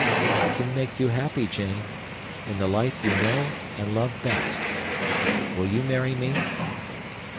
I can make you happy, Jane, in the life you know and love best. Will you marry me?"